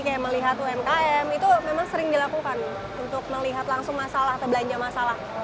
kayak melihat umkm itu memang sering dilakukan untuk melihat langsung masalah atau belanja masalah